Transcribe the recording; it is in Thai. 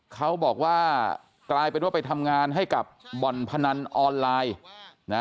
เขาบอกว่ากลายเป็นว่าไปทำงานให้กับบ่อนพนันออนไลน์นะ